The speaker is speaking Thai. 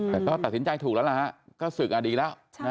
แต่ก็ตัดสินใจถูกแล้วล่ะฮะก็ศึกดีแล้ว